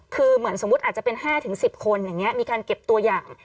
คือเหมือนสมมุติอาจจะเป็น๕๑๐คนอย่างนี้มีการเก็บตัวอย่าง